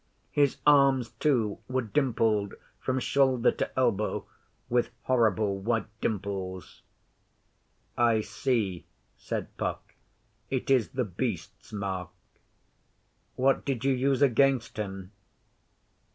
His arms, too, were dimpled from shoulder to elbow with horrible white dimples. 'I see,' said Puck. 'It is The Beast's mark. What did you use against him?